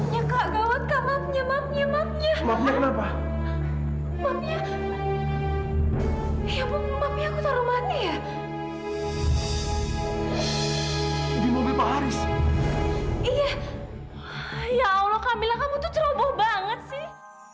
ya allah kamu tuh ceroboh banget sih